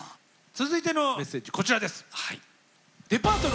続いてのメッセージこちらです。